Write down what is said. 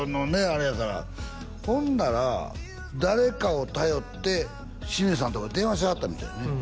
あれやからほんなら誰かを頼って清水さんのとこ電話しはったみたいやね